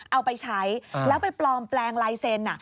เอาไปใช้แล้วไปปลอมแปลงลายเซ็นต์